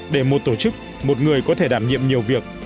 để một tổ chức một người có thể đảm nhiệm nhiều việc